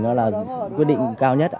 nó là quyết định cao nhất